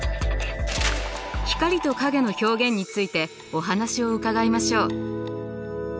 光と影の表現についてお話を伺いましょう。